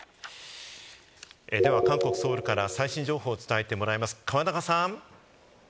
では韓国・ソウルから最新情報を伝えてもらいます、河中さん。